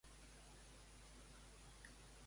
El jove argentí diu que sóc una gitaneta creativa